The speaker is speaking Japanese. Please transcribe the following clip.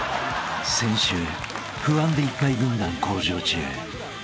［先週不安でいっぱい軍団向上中今夜も］